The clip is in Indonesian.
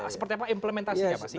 seperti apa implementasinya pak singa